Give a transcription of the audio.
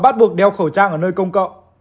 tổ trang ở nơi công cộng